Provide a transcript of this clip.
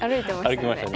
歩きました。